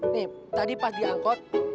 nih tadi pas dia angkot